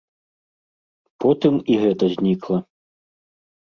Потым і гэта знікла.